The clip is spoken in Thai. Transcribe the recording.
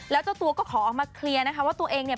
แล้วเจ้าตัวก็ขอออกมาเคลียร์นะคะว่าตัวเองเนี่ย